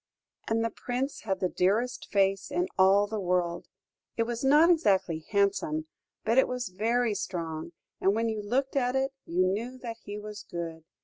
"And the Prince had the dearest face in all the world. It was not exactly handsome, but it was very strong, and when you looked at it, you knew that he was good.